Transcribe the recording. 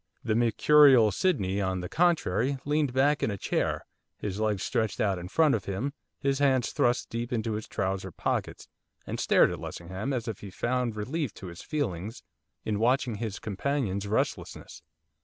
The mercurial Sydney, on the contrary, leaned back in a chair, his legs stretched out in front of him, his hands thrust deep into his trouser pockets, and stared at Lessingham, as if he found relief to his feelings in watching his companion's restlessness.